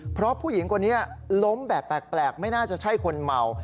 เพราะผู้หญิงคนนี้ล้มแบบแปลกไม่น่าจะใช่คนเมา